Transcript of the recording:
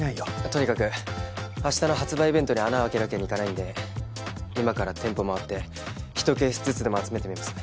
とにかく明日の発売イベントに穴を開けるわけにはいかないんで今から店舗回って１ケースずつでも集めてみます。